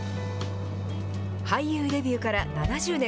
俳優デビューから７０年。